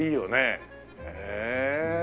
へえ。